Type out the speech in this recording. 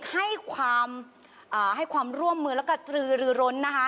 มีพีชเด็กให้ความร่วมมือและกระตือรือร้นนะคะ